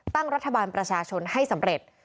ตั้งรัฐบาลประชาชนให้สำเร็จ